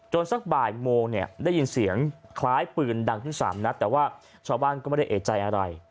สักบ่ายโมงเนี่ยได้ยินเสียงคล้ายปืนดังขึ้น๓นัดแต่ว่าชาวบ้านก็ไม่ได้เอกใจอะไร